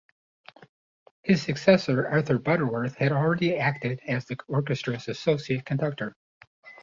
His successor, Arthur Butterworth, had already acted as the orchestra's associate conductor.